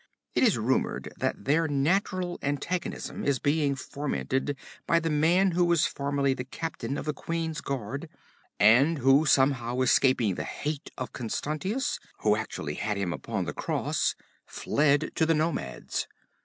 It is rumored that their natural antagonism is being fomented by the man who was formerly the captain of the queen's guard, and who, somehow escaping the hate of Constantius, who actually had him upon the cross, fled to the nomads.